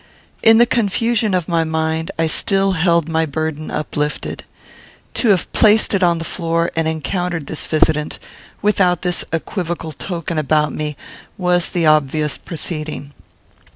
In the confusion of my mind, I still held my burden uplifted. To have placed it on the floor, and encountered this visitant, without this equivocal token about me, was the obvious proceeding.